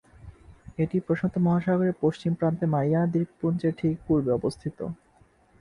এটি প্রশান্ত মহাসাগরের পশ্চিম প্রান্তে মারিয়ানা দ্বীপপুঞ্জের ঠিক পূর্বে অবস্থিত।